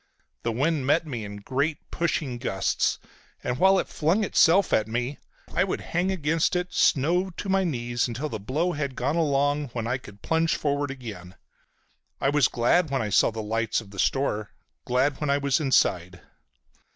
The wind met me in great pushing gusts, and while it flung itself at me I would hang against it, snow to my knees, until the blow had gone along, when I could plunge forward again. I was glad when I saw the lights of the store, glad when I was inside.